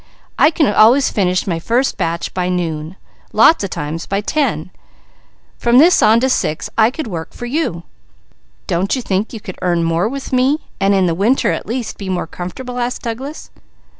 "I can always finish my first batch by noon, lots of times by ten; from that on to six I could work for you." "Don't you think you could earn more with me, and in the winter at least, be more comfortable?" asked Douglas.